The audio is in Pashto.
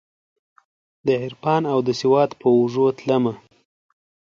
دعرفان اودسواد په اوږو تلمه